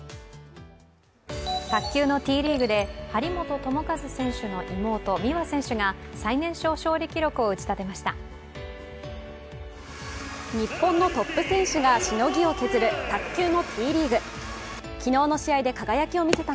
卓球のＴリーグで張本智和選手の妹、美和選手が最年少勝利記録を打ちたてました。